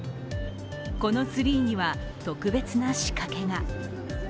このツリーには、特別な仕掛けが。